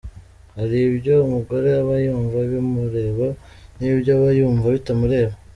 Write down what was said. “Hari ibyo umugore aba yumva bimureba n’ibyo aba yumva bitamureba.